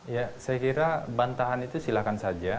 ya saya kira bantahan itu silakan saja